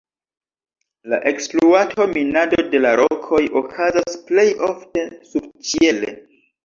La ekspluato, minado de la rokoj okazas plej ofte subĉiele.